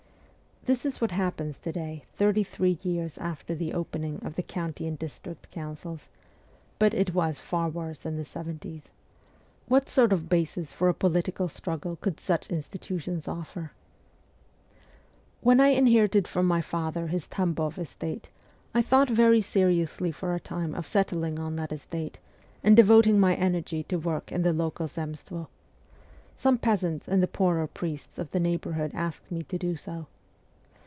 This is what happens to day, thirty three years after the opening of the county and district councils ; but it was far worse in ST. PETERSBURG 103 the seventies. What sort of basis for a political struggle could such institutions offer ? When I inherited from my father his Tambov estate, I thought very seriously for a time of settling on that estate, and devoting my energy to work in the local Zemstvo. Some peasants and the poorer priests of the neighbourhood asked me to do so.